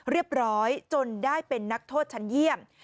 เรียบร้อยจนได้เป็นนักโทษชั้นเยี่ยม